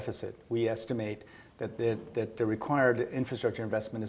kami mengestimai investasi infrastruktur yang diperlukan adalah